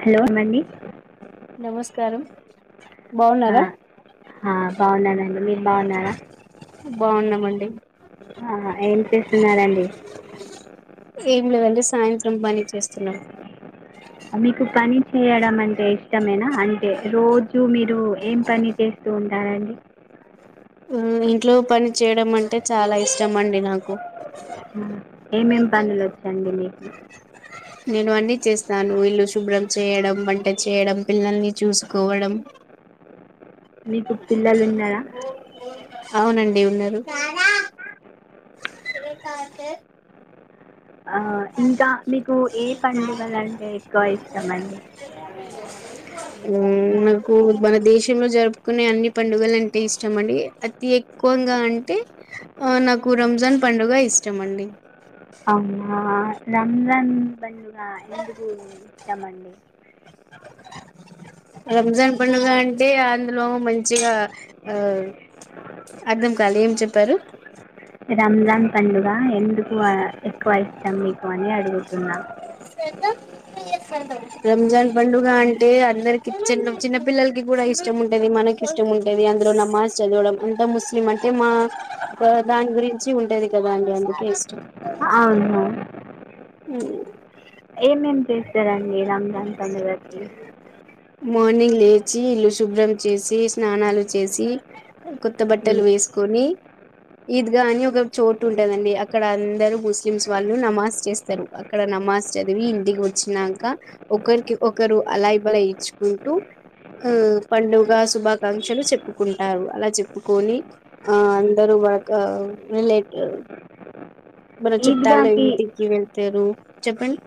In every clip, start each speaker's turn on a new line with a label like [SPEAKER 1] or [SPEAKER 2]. [SPEAKER 1] Hello మండి
[SPEAKER 2] కారం
[SPEAKER 1] ఆ ఆ బాగున్నానండి మీరు బాగున్నారా
[SPEAKER 2] మండి
[SPEAKER 1] ఏం చేస్తున్నారండి
[SPEAKER 2] ఏం లేదండి సాయంత్రం పని చేస్తున్నా
[SPEAKER 1] మీకు పని చేయడం అంటే ఇష్టమేనా అంటే రోజు మీరు ఏం పని చేస్ తూ ఉంటారండి
[SPEAKER 2] మ్మ్ ఇంట్లో పని చేయడం అంటే చాలా ఇష్టం అండి నాకు
[SPEAKER 1] ఏమేమి పనులు వచ్చండి మీకు
[SPEAKER 2] నేను అన్ని చేస్తాను ఇల్లు శుభ్రం చేయడం వంట చేయడం పిల్లల్ని చూసుకోవడం
[SPEAKER 1] మీకు పిల్లలు ఉన్నారా
[SPEAKER 2] ఓ అవునండి ఉన్నారు
[SPEAKER 1] ఆ, ఇంకా మీకు ఏ పండుగలు అంటే ఎక్కువ ఇష్టమండి
[SPEAKER 2] బన్ మ్మ్ మనకు మన దేశంలో జరుపుకునే అన్ని పండుగలు అంటే ఇష్టం అండి అతి ఎక్కువగా అంటే ఆ నాకు రంజాన్ పండుగ ఇష్టం అండి
[SPEAKER 1] అవునా రంజాన్ పండుగ ఎందుకు ఇష్టమండి
[SPEAKER 2] రంజాన్ పండుగ అంటే అందులో మంచిగా ఆ అర్థం కాలే ఏం చెప్పారు
[SPEAKER 1] రంజాన్ పండుగ ఎందుకు ఆ ఎక్కువ ఇష్టం మీకు అని అడుగుతున్నా
[SPEAKER 2] ఎకా రంజాన్ పండుగ అంటే అందరికి చిన్న చిన్న పిల్లలకి కూడా ఇష్టం ఉంటది మనకి ఇష్టం ఉంటది అందులో నమాజ్ చదవడం అంతా ముస్లిం అంటే మా దాని గురించి ఉంటది కదా క్కువ అండి అందుకే ఇష్టం
[SPEAKER 1] అవును ఏమేమి చేస్తారండి రంజాన్ పండుగకి
[SPEAKER 2] మార్నింగ్ లేచి ఇల్లు శుభ్రం చేసి స్నానాలు చేసి కొత్త బట్టలు
[SPEAKER 1] ఉమ్.
[SPEAKER 2] వేసుకొని ఈద్గా అని ఒక చోటు ఉంటందండి అక్కడ అందరూ ముస్లిమ్స్ వాళ్ళు నమాజ్ చేస్తారు అక్కడ క్కడ నమాజ్ చదివి దిగి వచ్చినాంక ఒకరికి ఒకరు అలాయిబ ఇచ్చుకుంటూ మ్మ్ పండుగ శుభాకాంక్షలు చెప్పుకుంటారు అలా చెప్పుకొని ఆ అందరూ వరక ఈ లేట్ మన చుట్టాలో
[SPEAKER 1] ఈద్గాకి
[SPEAKER 2] ఇంటికి వెళ్తారు చెప్పండి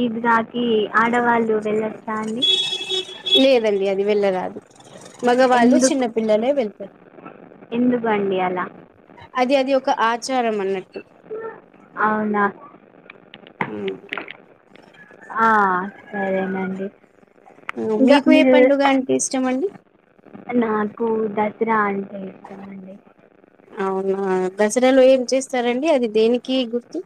[SPEAKER 1] ఈద్గాకి ఆడవాళ్ళు వెళ్ళొచ్చా అండి
[SPEAKER 2] లేదండి అది వెళ్ళరాదు మగవాళ్ళు చిన్న పిల్లలే వెళ్తారు
[SPEAKER 1] ఎందుకు అండి అలా
[SPEAKER 2] అది అది ఒక ఆచారం అన్నట్టు
[SPEAKER 1] అవునా
[SPEAKER 2] మ్మ్
[SPEAKER 1] ఆ సరేనండి
[SPEAKER 2] మ్మ్
[SPEAKER 1] ఇంకా
[SPEAKER 2] మీకు ఏ
[SPEAKER 1] మీరు
[SPEAKER 2] పండుగ అంటే ఇష్టం అండి
[SPEAKER 1] నాకు దసరా అంటే ఇష్టం అండి
[SPEAKER 2] అవునా దసరాలో ఏం చేస్తారండి అది దేనికి గుర్తు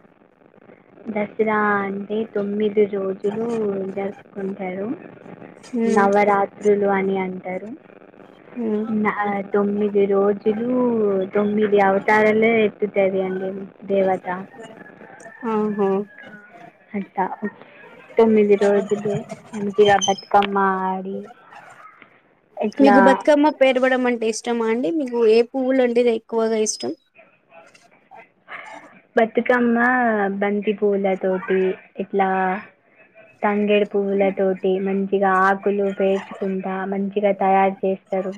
[SPEAKER 1] దసరా అంటే తొమ్మిది రోజులు జరుపుకుంటారు
[SPEAKER 2] ఉమ్
[SPEAKER 1] నవరాత్రులు అని అంటారు
[SPEAKER 2] ఉమ్
[SPEAKER 1] నా ఆ తొమ్మిది రోజు లు తొమ్మిది అవతారలే ఎతుతది అండి దేవత
[SPEAKER 2] ఆహ
[SPEAKER 1] అంతా తొమ్మిది రోజులు మంచిగా బతుకమ్మా ఆడి ఇట్లా
[SPEAKER 2] మీకు బతుకమ్మ పెరవడం అంటే ఇష్టమా అండి మీకు ఏ పువ్వులు అంటేది ఎక్కువగా ఇష్టం
[SPEAKER 1] బతుకమ్మ బంతి పూలతోటి ఇట్లా తాంగేడు పువ్వుల తోటి మంచి గా ఆకులు పేర్చుకుంటా మంచిగా తయారు చేస్తారు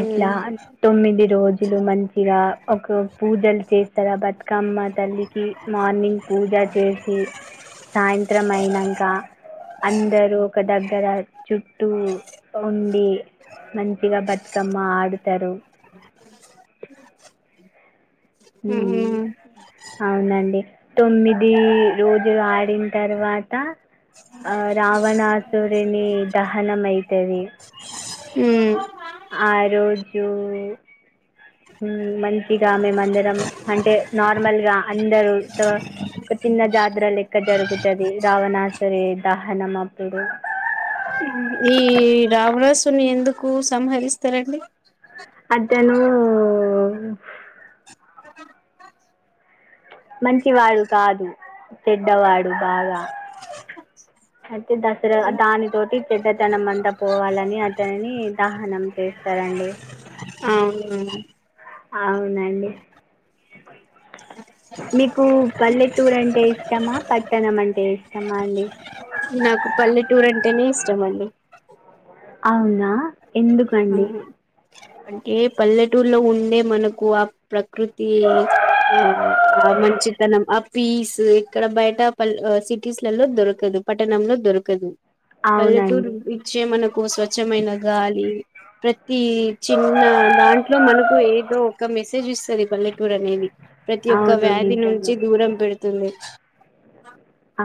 [SPEAKER 1] అట్లా తొమ్మిది రోజు లు మంచిగా ఒక పూజలు చేస్తారు ఆ బతుకమ్మ తల్లికి మార్నింగ్ పూజ చేసి సాయంత్రం అయినంక అందరు ఒక దగ్గర చుట్టూ ఉండి మంచిగా క్కమ్మా ఆడుతారు హుమ్
[SPEAKER 2] ఉమ్
[SPEAKER 1] అవునండి తొమ్మిది రోజులు ఆ డిన తర్వాత ఆ రావణాసురిని దహనం అయితది
[SPEAKER 2] ఉమ్
[SPEAKER 1] ఆ రోజు హు మంచిగా మేమ అందరం అంటే నార్మల్గా అందరూ త ఒక చిన్న జాతర లెక్క జరుగుతది రావణాసురి దహనం అప్పుడు
[SPEAKER 2] ఈ రావణసుని ఎందుకు సంహరిస్తారండి
[SPEAKER 1] అతను మంచివాడు కాదు చెడ్డవాడు బాగా అ దసరా దాని తోటి చెడ్డతనం అంతా పోవాలని అతనిని దాహనం చేస్తారండి
[SPEAKER 2] అవునా
[SPEAKER 1] అవునండి మీకు పల్లెటూరు అంటే ఇష్టమా పట్టణం అంటే ఇష్టమా అండి
[SPEAKER 2] నాకు పల్లెటూర్ అంటేనే ఇష్టం అండి
[SPEAKER 1] అవునా
[SPEAKER 2] ఆ
[SPEAKER 1] ఎందుకండి
[SPEAKER 2] అంటే పల్లెటూరులో ఉండే మనకు ఆ ప్రకృతి ఆ ఆ మంచ్ చితనం ఆ పీస్ ఇక్కడ బయట పల్ సిటీస్ లలో దొరకదు పట్టణంలో దొరకదు పల్లెటూరు
[SPEAKER 1] అవునండి
[SPEAKER 2] ఇచ్చే మనకు స్వచ్ఛమైన గాలి ప్ర ఈ చిన్న దాంట్లో మనకు ఏదో ఒక మెసేజ్ ఇస్తది పల్లెటూరు అనేది ప్రతి యొక్క
[SPEAKER 1] అవును
[SPEAKER 2] వ్యాధి నుంచి
[SPEAKER 1] నిజమే
[SPEAKER 2] దూరం పెడుతుంది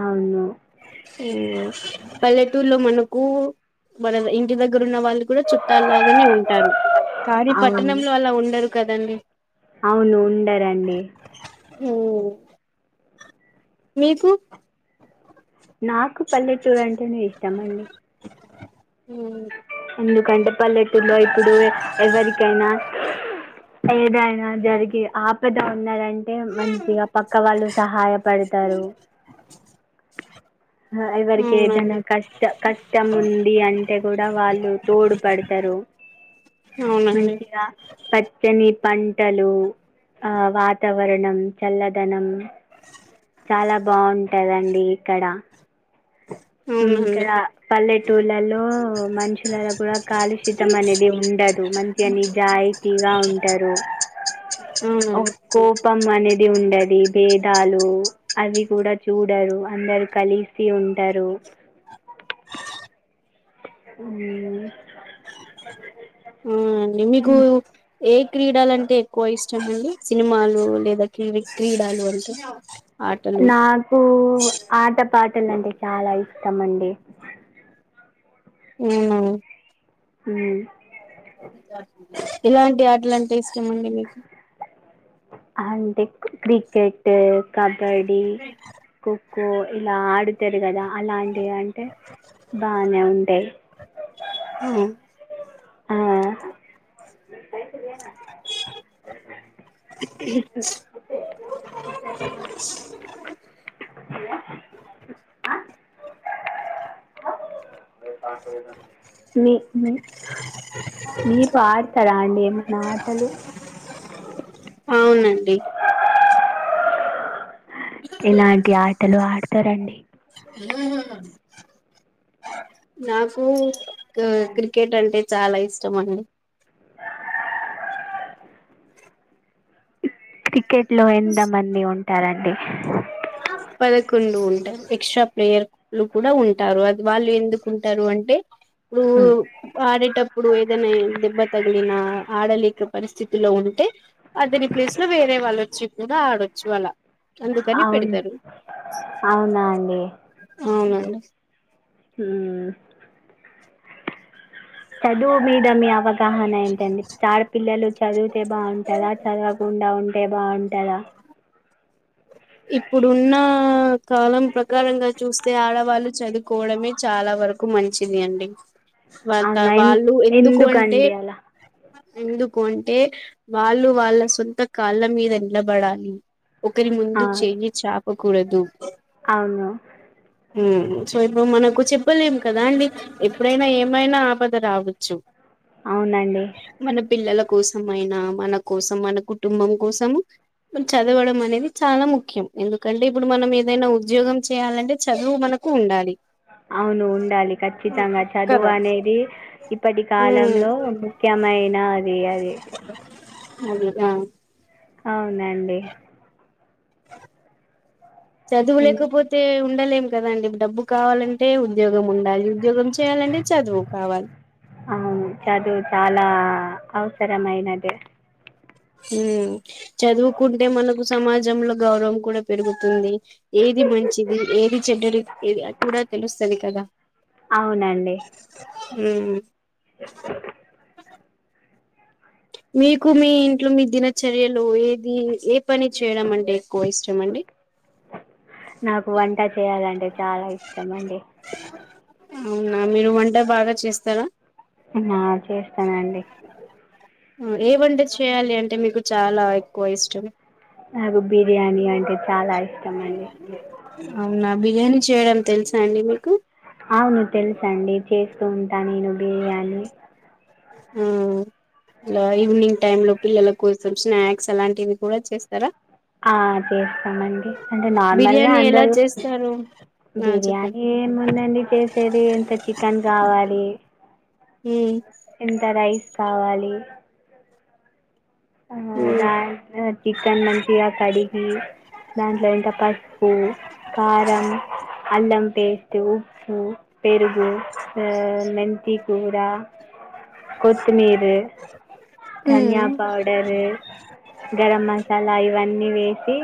[SPEAKER 1] అవును
[SPEAKER 2] హుమ్ పల్లెటూరులో మనకు మన ఇంటి దగ్గర రున్న వాళ్ళు కూడా చుట్టాలలాగానే ఉంటారు కాాళీ
[SPEAKER 1] అవును
[SPEAKER 2] పట్టణంలో అలా ఉండరు కదండి
[SPEAKER 1] అవును ఉండరాండి
[SPEAKER 2] హుమ్ మీకు
[SPEAKER 1] నాకు పల్లెటూరంటేనే ఇష్టమండి
[SPEAKER 2] హుమ్
[SPEAKER 1] ఎందుకంటే పల్లెటూళ్లో ఇప్పుడు ఎవరికైనా ఏదైనా జరిగి ఆపద ఉన్నాదం అంటే మంచిగా పక్క వాళ్ళు సహాయపడుతారు ఎవరికి ఏదైనా
[SPEAKER 2] అవునండి
[SPEAKER 1] కష్ట కష్టం ఉంది అంటే కూడా వాళ్ళు తోడుపడతారు
[SPEAKER 2] అవునండి
[SPEAKER 1] మంచిగా పచ్చని పంటలు ఆ వాతావరణం చల్లదనం చాలా బాగుంటదండి ఇక్కడ
[SPEAKER 2] అవునండి
[SPEAKER 1] ఇక్కడ పల్లెటూళ్లలో మనుషులలో కూడా కాలుషితం అనేది ఉండదు మంచి అని జాయితీగా ఉంటారు
[SPEAKER 2] అవును
[SPEAKER 1] ఒ కోపం అనేది ఇది ఉండది భేదాలు అవి కూడా చూడరు అందరు కలిస్త సీ ఉంటారు ఉమ్
[SPEAKER 2] ఆ ఆండి మీకు
[SPEAKER 1] ఉమ్,
[SPEAKER 2] ఏ క్రీడలమ్టే క్కువ ఇష్టం అండి సినిమాలు లేదా కివి క్రీడాలు అంటే ఆటలు
[SPEAKER 1] నాకు ఆటపాట లమ్టే చాలా ఇష్టం అండి
[SPEAKER 2] అవున
[SPEAKER 1] ఉమ్
[SPEAKER 2] ఎలాంటి ఆటలంటే ఇష్టం అండి మీకు
[SPEAKER 1] అంటే క్రికెట్ కబడీ కో కఖో ఇలా ఆడుతారు కదా అలాంటివి అంటే బానే ఉంటాయి ఆ హలో మీ మీ మీరు ఆడతారా అండి ఏమైనా ఆటలు
[SPEAKER 2] అవునండి
[SPEAKER 1] ఏలాంటి ఆటలు ఆడతారండి
[SPEAKER 2] నాకు క్ క్రికెట్ అంటే చాలా ఇష్టం అండి
[SPEAKER 1] క్రికెట్ లో ఎంతమంది ఉంటారండి
[SPEAKER 2] పదకొండు ఉంటారు ఎక్స్ట్రా ప్లేయర్లు కూడా ఉంటారు అది వాళ్ళు ఎందుకుంటారు అంటే పుడు
[SPEAKER 1] ఉమ్,
[SPEAKER 2] ఆడేటప్పుడు ఏదైనా దెబ్బ తగలినా ఆడలేక పరిస్థితిలో ఉంటే అతని ప్లేస్ లో వేరే వాళ్ళు వచ్చి కూడా ఆడొచ్చు అళ్లా అందుకని
[SPEAKER 1] అవును
[SPEAKER 2] పెడతారు
[SPEAKER 1] అవునా అండి
[SPEAKER 2] అవునండి
[SPEAKER 1] హుమ్మ్ చదువు మీద మీ అవగాహన ఏంటండి చాడపిల్లలు చ చదివితే బాగుంటదా చదవకుండా ఉంటే బాగుంటదా
[SPEAKER 2] ఇప్పుడున్నా కాలం ప్రకారంగా చూస్తే ఆడవాళ్ళు చదువుకోవడమే చాలా వరకు మంచిది అండి వాల
[SPEAKER 1] అవునా ఎన్-
[SPEAKER 2] వాళ్ళు ఎందుకు అంటే
[SPEAKER 1] ఎందుకండి అలా
[SPEAKER 2] ఎందుకు అంటే వాళ్ళు వాళ్ళ సొంత కాళ్ళ మీద నిలబడాలి ఒకరి
[SPEAKER 1] ఆ,
[SPEAKER 2] ముందు చెయ్యి చాపకూడదు
[SPEAKER 1] అవును
[SPEAKER 2] సో ఇప్పుడు మనకు చెప్పలేము కదా అండి ఎప్పుడైనా ఏమైనా ఆపద రావచ్చు
[SPEAKER 1] అవునండి
[SPEAKER 2] మన పిల్లల కోసం అయినా మన కోసం మన కుటుంబం కోసము చదవడం అనేది చాలా ముఖ్ ఖ్యం ఎందుకంటే ఇప్పుడు మనం ఏదైనా ఉద్యోగం చేయాలంటే చదువు మనకు ఉండాలి
[SPEAKER 1] అ అవును ఉండాలి ఖచ్చితంగా చదువు
[SPEAKER 2] కదా
[SPEAKER 1] అనేది ఇప్పటి
[SPEAKER 2] ఉమ్
[SPEAKER 1] కాలంలో ముఖ్యమైన అదే అదే
[SPEAKER 2] అధే నా
[SPEAKER 1] అవునండి ఇం
[SPEAKER 2] చదువులేకపోతే ఉండలేం కదాండి డబ్బు కావాలంటే ఉద్యోగం ఉండాలి ఉద్యోగం చేయాలంటే చదువు కావాలి
[SPEAKER 1] అవును చదువు చాలా అవసరమైనది
[SPEAKER 2] హ చదువుకుంటే మనకు సమాజంలో గౌరవం కూడా పెరుగుతుంది ఏ ఏది మంచిది ఏది చెడ్డరిది కూడా తెలుస్తుంది కదా
[SPEAKER 1] అవునండి
[SPEAKER 2] ఉమ్ మీకు మీ ఇంట్లో మీ దినచర్యలు ఏది ఏ పని చేయడం అంటే ఎక్కువ ఇష్టం అండి
[SPEAKER 1] నాకు వంట చేయాలంటే చాలా ఇష్టం అండి
[SPEAKER 2] అవునా మీరు వంట బాగా చేస్తారా
[SPEAKER 1] నా చేస్తానండి
[SPEAKER 2] ఏమంటే చేయాలి అంటే మీకు చాలా ఎక్కువ ఇష్టం
[SPEAKER 1] నాకు బిర్యానీ అంట
[SPEAKER 2] అవునా బిర్యానీ చేయడం తెలుసా అండి మీకు
[SPEAKER 1] అవును తెలుసు అండి చేస్తూ ఉంటా నేను బిర్యానీ
[SPEAKER 2] ఆ ఇలా ఈవినింగ్ టైమ్ లో పిల్లల కోసం స్నాక్స్ అలాంటివి కూడా చేస్తారా
[SPEAKER 1] ఆ చేస్తామండి అంటే నార్మల్గా
[SPEAKER 2] బిర్యానీ ఎలా
[SPEAKER 1] అందరు
[SPEAKER 2] చేస్తారు ఆ చెప్పండి
[SPEAKER 1] బిర్యానీ ఏముందండి చేసేది ఇంత చికెన్ కావాలి
[SPEAKER 2] ఉమ్
[SPEAKER 1] ఎంత రైస్ కావాలి
[SPEAKER 2] ఉమ్
[SPEAKER 1] ఆ చికెన్ మంచిగ కడిగి దాంట్లో ఇకా పసుపు కారం అల్లం పేస్ట్ ఉప్పు పెరుగు మెంత కూడ కొత్తిమీరు ధనియా పౌడరు గరం మసాలా ఇవన్ వేసి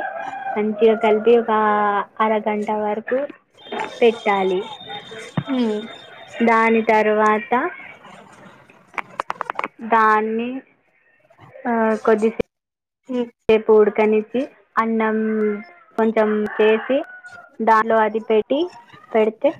[SPEAKER 1] మంచిగా కలిపి ఒక అరగంట వరకు పెట్టాలి
[SPEAKER 2] ఉమ్
[SPEAKER 1] దాని తరువాత దాన్ని ఆ కొద్దిసపు
[SPEAKER 2] ఉమ్ ఉమ్
[SPEAKER 1] సేపు ఉడు [unintelligible] అన్నం కొంచెం చేసి దాలో అది పెట్టి పెడితే